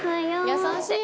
「優しい。